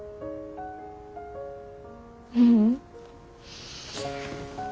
ううん。